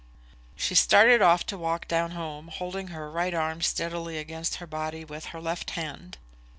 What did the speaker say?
She started off to walk down home, holding her right arm steadily against her body with her left hand.